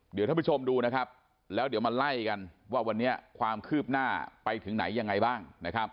เดี๋ยวท่านผู้ชมดูแล้วมาไล่กันว่าวันนี้ความคื้บหน้าไปถึงไหนยังไงบ้าง